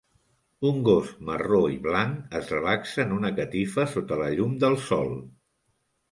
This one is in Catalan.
Un gos marró i blanc es relaxa en una catifa sota la llum del sol.